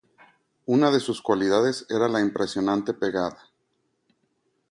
Una de sus cualidades era la impresionante pegada.